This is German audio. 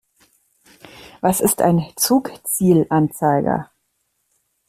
Was ist ein Zugzielanzeiger?